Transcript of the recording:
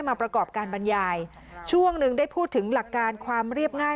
ประกอบการบรรยายช่วงหนึ่งได้พูดถึงหลักการความเรียบง่าย